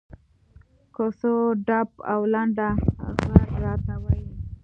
کوڅه ډب او لنډه غر راته وایي.